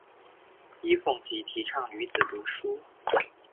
尹奉吉提倡女子读书。